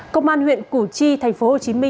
công an huyện củ chi tp hcm